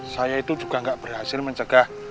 saya itu juga nggak berhasil mencegah